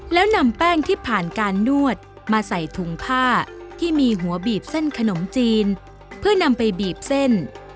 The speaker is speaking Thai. แล้วนำแป้งที่ผ่านการนวดมาใส่ถุงผ้าที่มีหัวบีบเส้นขนมจีนเพื่อนำไปบีบเส้น